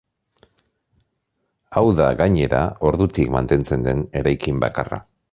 Hau da gainera ordutik mantentzen den eraikin bakarra.